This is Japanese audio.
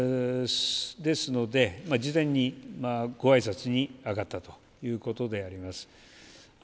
ですので、事前にごあいさつにあがったということでございます。